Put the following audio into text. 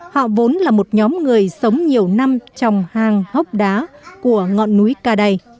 họ vốn là một nhóm người sống nhiều năm trong hang hốc đá của ngọn núi ca đầy